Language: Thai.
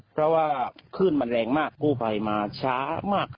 เพราะว่าคลื่นมันแรงมากกู้ภัยมาช้ามาก